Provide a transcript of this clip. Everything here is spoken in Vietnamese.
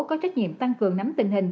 có trách nhiệm tăng cường nắm tình hình